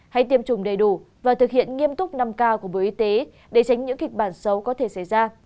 hay tiêm chủng đầy đủ và thực hiện nghiêm túc năm k của bộ y tế để tránh những kịch bản xấu có thể xảy ra